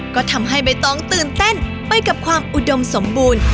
ก็ทำให้ใบตองตื่นเต้นไปกับความอุดมสมบูรณ์